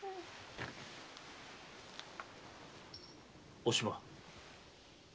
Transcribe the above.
お島。